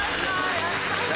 やったー！